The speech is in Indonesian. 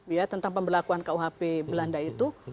ya tentang pembelakuan kuhp belanda itu